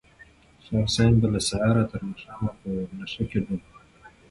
شاه حسین به له سهاره تر ماښامه په نشه کې ډوب و.